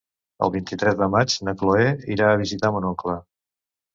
El vint-i-tres de maig na Cloè irà a visitar mon oncle.